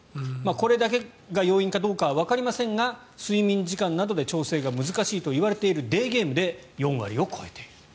これだけが要因かどうかはわかりませんが、睡眠時間などで調整が難しいと言われているデーゲームで４割を超えている。